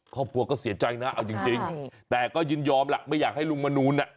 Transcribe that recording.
ครอบครัวก็เสียใจนะเอาจริงแต่ก็ยินยอมล่ะไม่อยากให้ลุงมนูลน่ะ